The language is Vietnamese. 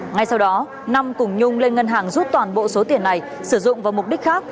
ngay sau đó nam cùng nhung lên ngân hàng rút toàn bộ số tiền này sử dụng vào mục đích khác